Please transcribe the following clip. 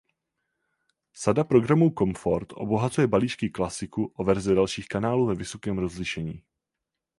Sada programů Komfort obohacuje balíčky Klasiku o verze dalších kanálů ve vysokém rozlišení.